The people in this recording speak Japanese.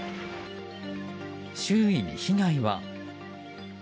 周囲に被害は。